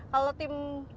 kalau tim bubur diaduk pak